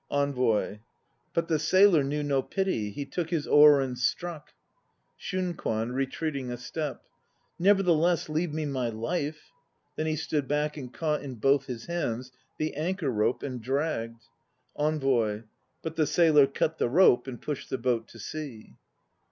ENVOY. But the sailor l knew no pity; He took his oar and struck. .. SHUNKWAN (retreating a step). Nevertheless, leave me my life. ... Then he stood back and caught in both his hands The anchor rope and dragged ... ENVOY. But the sailor cut the rope and pushed the boat to sea.